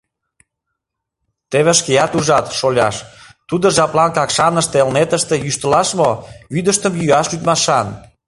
Теве шкат ужат, шоляш: тудо жаплан Какшаныште, Элнетыште йӱштылаш мо, вӱдыштым йӱаш лӱдмашан.